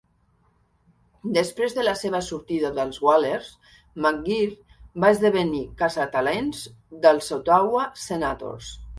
Després de la seva sortida dels Whalers, McGuire va esdevenir caçatalents dels Ottawa Senators.